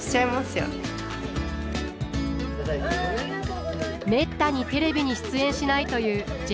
めったにテレビに出演しないというジェーン・スーさん。